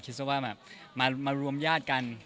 คิดว่าว่ามารวมญาติกัน